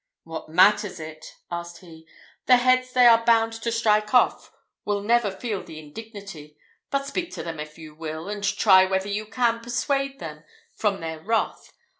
"What matters it?" asked he; "the heads they are about to strike off will never feel the indignity; but speak to them if you will, and try whether you can persuade them from their wrath.